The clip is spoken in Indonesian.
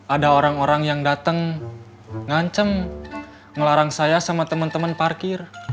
ada orang orang yang datang ngancem ngelarang saya sama teman teman parkir